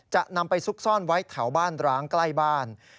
จะนำไปซุกซ่อนไว้แถวบ้านร้างใกล้บ้าน